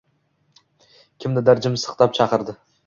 Kimnidir jim siqtab chaqirdi